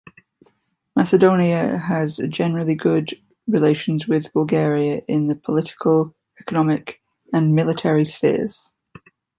Macedonia has generally good relations with Bulgaria in the political, economic, and military spheres.